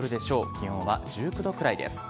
気温は１９度くらいです。